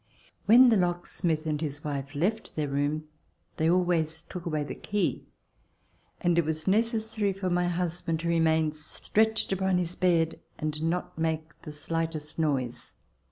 When the locksmith and his wife left their room they always took away the key, and it was necessary for my husband to remain stretched upon his bed and not make the slightest noise.